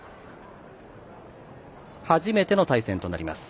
初めての対戦となります。